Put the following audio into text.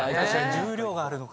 重量があるのか。